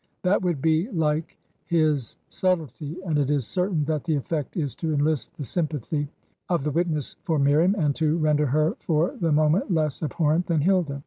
That would be like his subtlety; and it is certain that the efifect is to enlist the sympathy of the witness for Miriam, and to render her for the mo ment less abhorrent than Hilda.